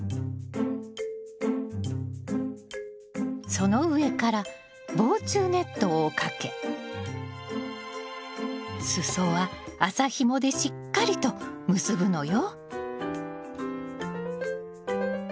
その上から防虫ネットをかけ裾は麻ひもでしっかりと結ぶのよ。